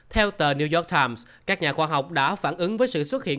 theo tờ new york times các nhà khoa học đã phản ứng với sự xuất hiện